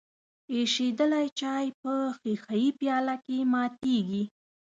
ایشیدلی چای په ښیښه یي پیاله کې ماتیږي.